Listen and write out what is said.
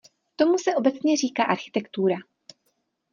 Tomu se obecně říká architektura.